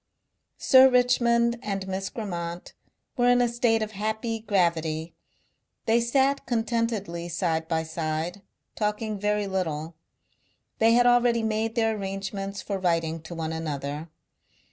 Sir Richmond and Miss Grammont were in a state of happy gravity; they sat contentedly side by side, talking very little. They had already made their arrangements for writing to one another.